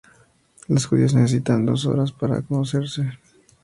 Las judías necesitan unas dos horas para cocerse.